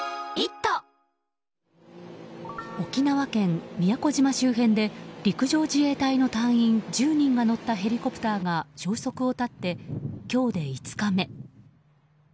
沖縄県宮古島周辺で陸上自衛隊の隊員１０人が乗ったヘリコプターが消息を絶って今日で５日目。